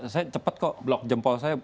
saya cepet kok block jempol saya